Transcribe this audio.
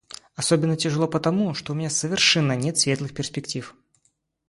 Особенно тяжело потому, что у меня совершенно нет светлых перспектив.